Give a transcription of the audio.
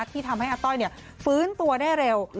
ที่ทำให้อาต้อยฟื้นตัวได้เร็ว